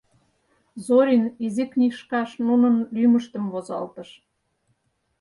Зорин изи книжкаш нунын лӱмыштым возалтыш.